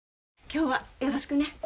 今日はよろしくね。